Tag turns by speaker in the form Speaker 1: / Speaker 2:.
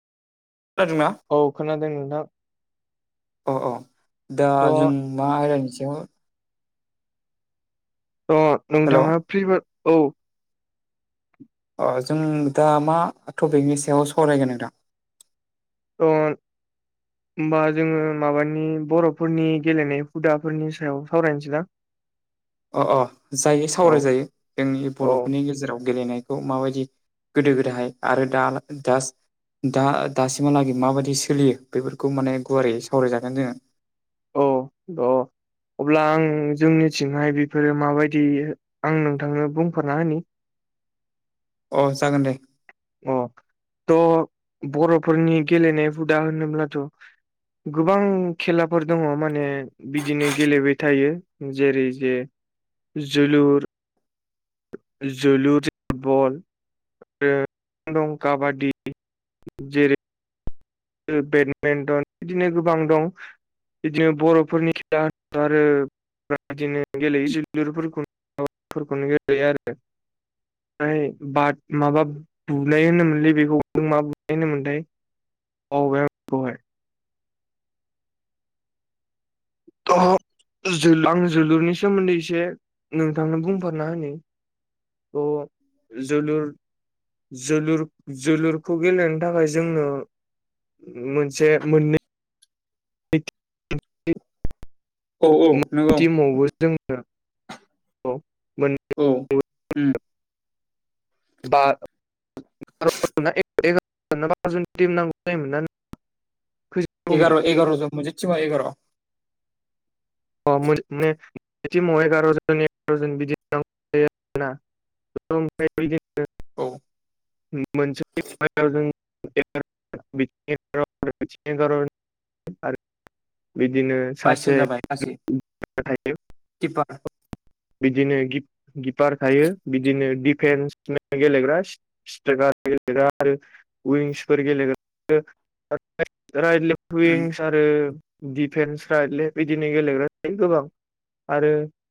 Speaker 1: खोनादों ना
Speaker 2: औ खोनादों नोंथां
Speaker 1: अ अ दा जों
Speaker 2: थ'
Speaker 1: मा आयदानि सायाव
Speaker 2: अ
Speaker 1: हेल'
Speaker 2: नोंथाङा फ्रिबा औ
Speaker 1: अ जों दा मा टपिकनि सायाव सावरायगोन नोंथां
Speaker 2: [unintelligible] होमबा जोङो माबानि बर'फोरनि गेलेनाय हुदाफोरनि सायाव सावरायनोसै दां
Speaker 1: अ अ जायो
Speaker 2: औ
Speaker 1: सावराय जायो जोंनि
Speaker 2: औ
Speaker 1: बर'फोरनि गेजेराव गेलेनायखौ माबायदि गोदो गोदाय आरो दा दास दा दासिमहालागै माबायदि सोलियो बेफोरखौ माने गुवारै सावरायजागोन जोङो
Speaker 2: औ अ अब्ला आं जोंनिथिंहाय बेफोरो माबायदि आं नोंथांनो बुंफना होनि
Speaker 1: अ जागोन दे
Speaker 2: अ थ' बर'फोरनि गेलेनाय हुदा होनोब्लाथ' गोबां खेलाफोर दंङो माने बिदिनो गेलेबाय थायो जेरै जे जोलुर जोलुर बल दं काबादि जेरै बेडमिन्टन बिदिनो गोबां दं बिदिनो बर'फोरनि [unintelligible] आरो बे बिदिनो गेलेयै जोलुरफोरखौ माबाफोरखौनो गेलेयो आरो ओमफ्राय बाद माबा बुनाय होनोमोनलै बेखौ नों मा बुनाय होनोमोनथाय बावबाय आं बेखौहाय आं जोलुरनि सोमोन्दै एसे नोंथांनो बुंफोरना होनै अ जोलुर ज जोलुरखौ गेलेनो थाखाय जोंनो मोनसे मोननै
Speaker 1: औ-औ
Speaker 2: टिमावबो जोंङो मोन
Speaker 1: औ उम
Speaker 2: बा [unintelligible] [unintelligible]
Speaker 1: एगार एगार' जोन मोनसे थिमाव एगार'
Speaker 2: अ मानेमाव एगार'जन एगार'जन बिदिनो नांगौ जायो आरोना [unintelligible] बिदिनो
Speaker 1: औ
Speaker 2: [unintelligible] मोनसे जों [unintelligible] बिदिनो
Speaker 1: बाइसजन
Speaker 2: सासे
Speaker 1: जाबाय गासै
Speaker 2: [unintelligible] [unintelligible]
Speaker 1: [unintelligible]
Speaker 2: बिदिनो गिप गिपार थायो बिदिनो दिफेन्स गेलेग्रा स्ट्रक गेलेग्रा आरो उइंसफोर गेलेग्रा [unintelligible] [unintelligible]
Speaker 1: उम
Speaker 2: आरो दिफेन्स राइडेल बिदिनो गेलेग्रा थायो गोबां आरो